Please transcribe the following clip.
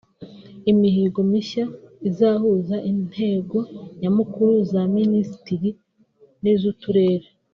Imihigo mishya izahuza intego nyamukuru za Minisiteri n’ iz’uturere